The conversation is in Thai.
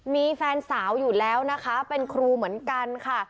มีแฟนสาวอยู่แล้วนะคะเป็นครูเหมือนกันค่ะ